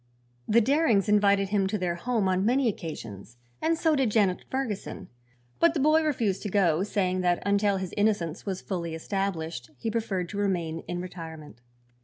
The Darings invited him to their home on many occasions, and so did Janet Ferguson; but the boy refused to go, saying that until his innocence was fully established he preferred to remain in retirement.